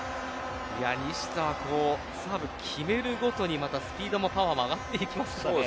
西田はサーブを決めるごとにスピードもパワーも上がっていきますね。